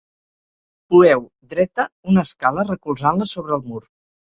Poeu dreta una escala recolzant-la sobre el mur.